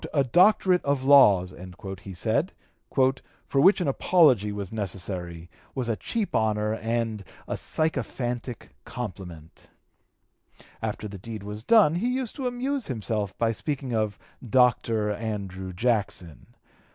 "A Doctorate of Laws," he said, "for which an apology was necessary, was a cheap honor and ... a sycophantic compliment." After the deed (p. 242) was done, he used to amuse himself by speaking of "Doctor Andrew Jackson."